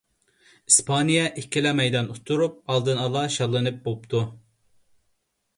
ئىسپانىيە ئىككىلا مەيدان ئۇتتۇرۇپ ئالدىنئالا شاللىنىپ بوپتۇ.